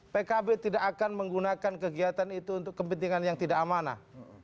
pkb tidak akan menggunakan kegiatan itu untuk kepentingan yang tidak amanah